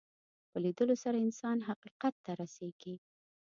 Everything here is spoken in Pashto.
په لیدلو سره انسان حقیقت ته رسېږي